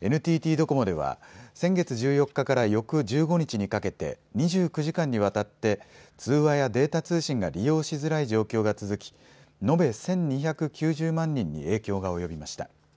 ＮＴＴドコモでは先月１４日から翌１５日にかけて２９時間にわたって通話やデータ通信が利用しづらい状況が続き、延べ１２９０万人に影響が及びました。